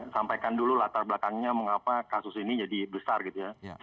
sampaikan dulu latar belakangnya mengapa kasus ini jadi besar gitu ya